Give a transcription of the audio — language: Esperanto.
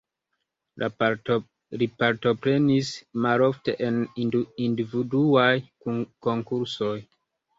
Li partoprenis malofte en individuaj konkursoj.